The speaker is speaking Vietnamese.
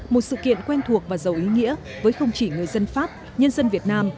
một sự kiện quen thuộc và giàu ý nghĩa với không chỉ người dân pháp nhân dân việt nam